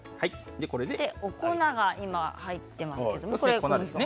お粉が今入っていますが。